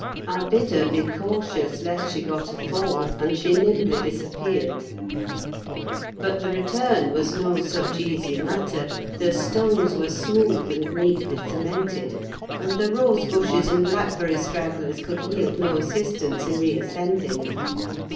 I bid her be cautious lest she got a fall, and she nimbly disappeared. But the return was no such easy matter: the stones were smooth and neatly cemented, and the rosebushes and blackberry stragglers could yield no assistance in re ascending.